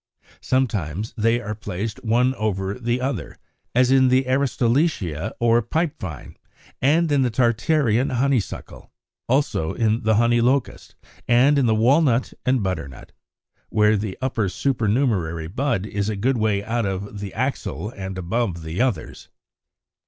Sometimes they are placed one over the other, as in the Aristolochia or Pipe Vine, and in the Tartarean Honeysuckle (Fig. 77); also in the Honey Locust, and in the Walnut and Butternut (Fig. 78), where the upper supernumerary bud is a good way out of the axil and above the others.